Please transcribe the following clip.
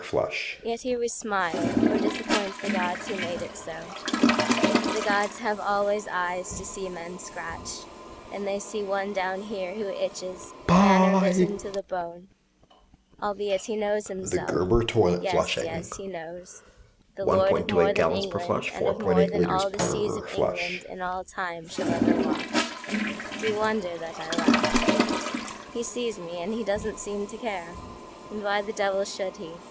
Yet here we smile, or disappoint the godsWho made it so: the gods have always eyesTo see men scratch; and they see one down hereWho itches, manor bitten to the bone, Albeit he knows himself—yes, yes, he knows—The lord of more than England and of moreThan all the seas of England in all timeShall ever wash. D'ye wonder that I laugh? He sees me, and he doesn't seem to care; And why the devil should he?